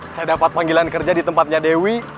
saya dapat panggilan kerja di tempatnya dewi